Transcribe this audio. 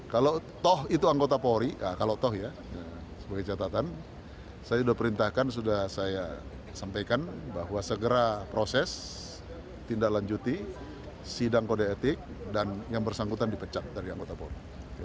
kalau toh itu anggota polri kalau toh ya sebagai catatan saya sudah perintahkan sudah saya sampaikan bahwa segera proses tindak lanjuti sidang kode etik dan yang bersangkutan dipecat dari anggota polri